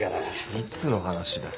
いつの話だよ。